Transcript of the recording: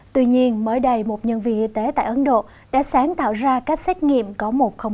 tuy nhiên mới đây một nhân viên y tế tại ấn độ đã sáng tạo ra cách xét nghiệm có một trăm linh hai